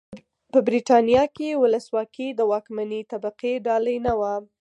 په برېټانیا کې ولسواکي د واکمنې طبقې ډالۍ نه وه.